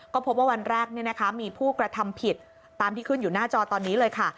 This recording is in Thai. ก็พบว่าวันแรกมีผู้กระทำผิดตามที่ขึ้นอยู่หน้าจอตอนนี้เลยค่ะ